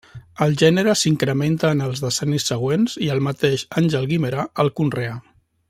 El gènere s'incrementa en els decennis següents i el mateix Àngel Guimerà el conreà.